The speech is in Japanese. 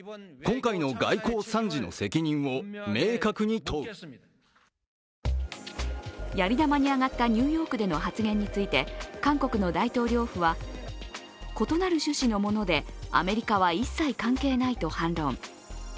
野党側はやり玉に挙がったニューヨークでの発言について、韓国の大統領府は異なる趣旨のものでアメリカは一切関係ないと反論。